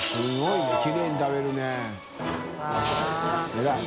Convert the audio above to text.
偉い。